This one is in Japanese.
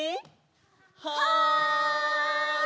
はい！